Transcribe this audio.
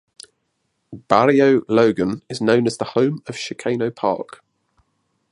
Barrio Logan is known as the home of Chicano Park.